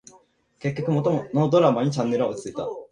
結局、元のドラマにチャンネルは落ち着いた